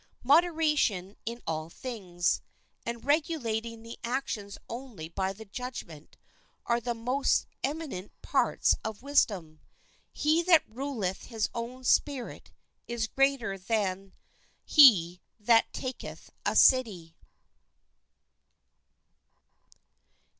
Moderation in all things, and regulating the actions only by the judgment, are the most eminent parts of wisdom. "He that ruleth his own spirit is greater than he that taketh a city."